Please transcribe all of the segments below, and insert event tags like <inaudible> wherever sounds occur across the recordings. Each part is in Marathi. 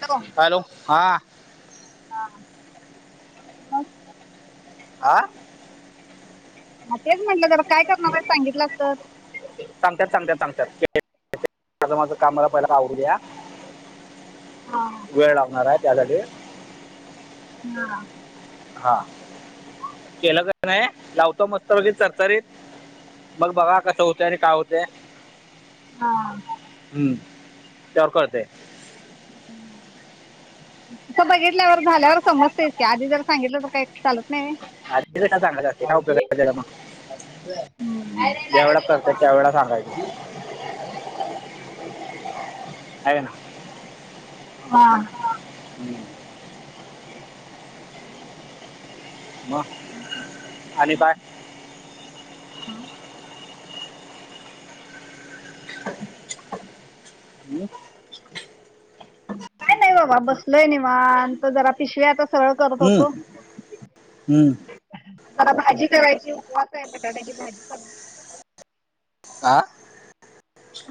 हॅलो, हॅलो, हां हा, मं हा, हा तेच म्हटलं जरा काय करणार का सांगितलंस तर सागंत्यात, सागंत्यात, सागंत्यात हे <unintelligible> माझं -माझं काम मला पहिलं आवरुद्या. हा- हा. वेळ लागणार आहे त्यासाठी. हा, हा केलं का नाही, लावतो मस्त पैकी चरचरीत मग बघा कसं होते आणि काय होते? हा, हम्म, त्यावर कळते. हम्, तिथं बघितल्यावर झाल्यावर समजतेस की आधी जर सांगितलं तर काही चालत नाही. आरतीला सांगायच ना काय उपयोगला तीचा मग बरं काय नही ज्या वेळा लाडाची करते बबा त्यावेळेला सांगायचं <unintelligible> आहे ना. हा, हम्म, <inaudible> म आणि काय? <inaudible> मं काय नाही बाबा बसलोयं निवांत जरा पिशव्या आता सरळं करत हम्म होतो. हम्म मला भाजी करायची उपवास आहे, बटाट्याची भाजी कर का?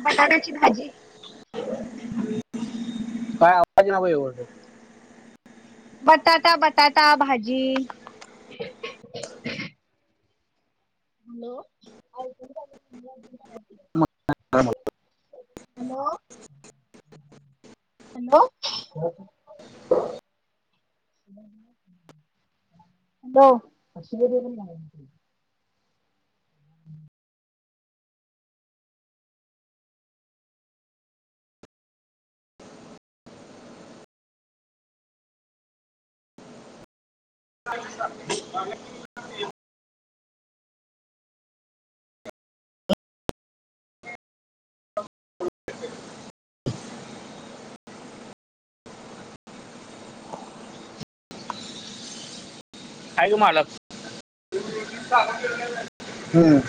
बटाट्याची भाजी काय <unintelligible> बटाटा बटाटा भाजी हॅलो <unintelligible> <unintelligible> हॅलो हॅलो <unintelligible> हॅलो <unintelligible> <unintelligible> <inaudible> आहे का मालक? <unintelligible> हम्म